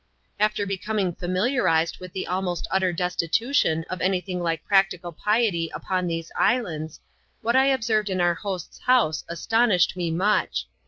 After becoming familiarized with the almost utter destitotiaii of any thing like practical piety upon these islands, what I ob served in our host's house astonished me much.